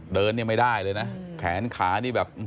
เดินเนี่ยไม่ได้เลยนะแขนขานี่แบบ